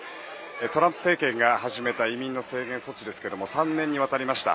トランプ政権が始めた移民の制限措置ですが３年にわたりました。